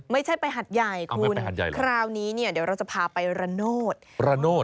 ไม่ใช่ไปหัดใหญ่คุณคราวนี้เนี่ยเดี๋ยวเราจะพาไประโนธระโนธ